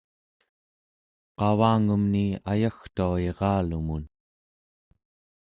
qavangumni ayagtua iralumun